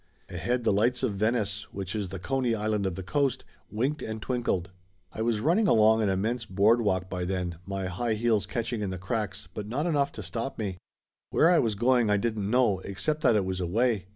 Ahead the lights of Venice, which is the Coney Island of the Coast, winked and twinkled. I was running along an immense boardwalk by then, my high heels catching in the cracks, but not enough to stop me. Where I was going I didn't know, except that it was away.